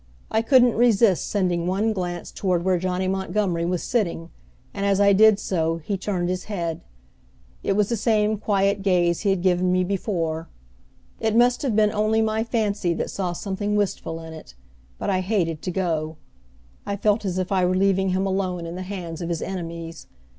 I couldn't resist sending one glance toward where Johnny Montgomery was sitting, and as I did so he turned his head. It was the same quiet gaze he had given me before. It must have been only my fancy that saw something wistful in it; but I hated to go. I felt as if I were leaving him alone in the hands of his enemies.